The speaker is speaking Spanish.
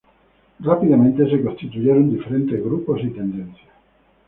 Rápidamente se constituyeron diferentes grupos y tendencias.